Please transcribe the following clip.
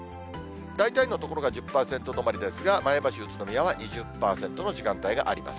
大体の所が１０％止まりですが、前橋、宇都宮は２０％の時間帯があります。